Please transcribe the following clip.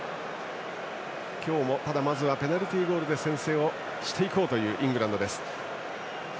今日も、ペナルティーゴールで先制していこうというイングランドです。